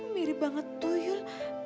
mirip banget tuh yul